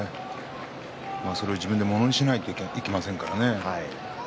それを自分でものにしなければいけませんからね。